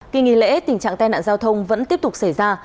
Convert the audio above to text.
kỳ nghỉ lễ tình trạng tai nạn giao thông vẫn tiếp tục xảy ra